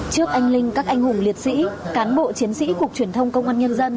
trước anh linh các anh hùng liệt sĩ cán bộ chiến sĩ cục truyền thông công an nhân dân